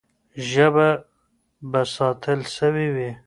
ژبه به ساتل سوې وي.